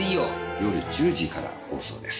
夜１０時から放送です。